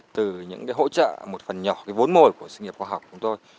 từ những hỗ trợ một phần nhỏ cái vốn môi của sinh nghiệp khoa học của chúng tôi